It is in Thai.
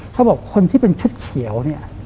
เขาบอกคนที่เป็นชุดเขียว